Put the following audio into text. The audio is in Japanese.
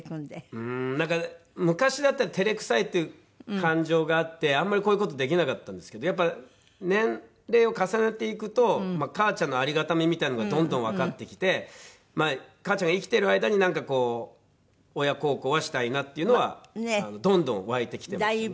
うーんなんか昔だったら照れくさいっていう感情があってあんまりこういう事できなかったんですけどやっぱり年齢を重ねていくと母ちゃんのありがたみみたいなのがどんどんわかってきて母ちゃんが生きてる間になんかこう親孝行はしたいなっていうのはどんどん湧いてきてましたね。